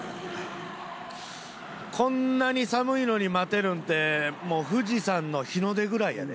こんなに寒いのに待てるんってもう富士山の日の出ぐらいやで。